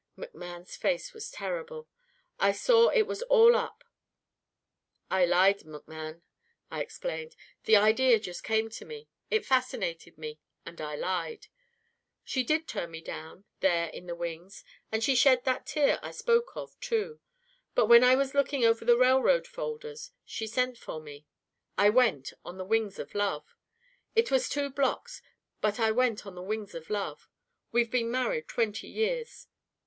"McMann's face was terrible. I saw it was all up. 'I lied, McMann,' I explained. 'The idea just came to me, it fascinated me, and I lied. She did turn me down there in the wings. And she shed that tear I spoke of, too. But, when I was looking over the railroad folders, she sent for me. I went on the wings of love. It was two blocks but I went on the wings of love. We've been married twenty years.